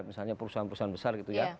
misalnya perusahaan perusahaan besar